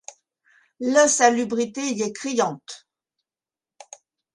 L'insalubrité y est criante.